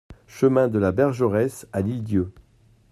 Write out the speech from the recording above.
Chemin de la Bergeresse à L'Île-d'Yeu